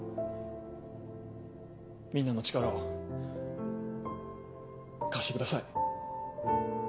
みんなの力を貸してください。